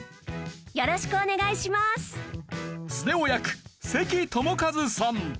スネ夫役関智一さん。